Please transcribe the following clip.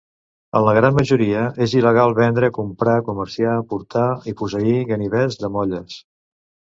En la gran majoria, és il·legal vendre, comprar, comerciar, portar i posseir ganivets de molles.